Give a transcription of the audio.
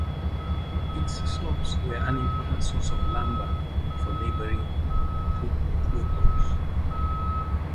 Its slopes were an important source of lumber for neighboring pueblos.